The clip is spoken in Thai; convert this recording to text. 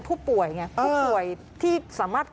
ผู้ป่วยที่สามารถ